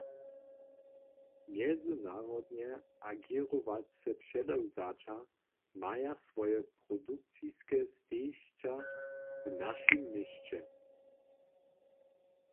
Mjezynarodnje agěrowace předewzaća maja swoje produkciske stejišća w našim měsće.